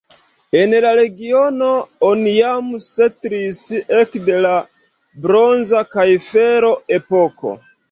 En la regiono oni jam setlis ekde la bronza kaj fera epoko.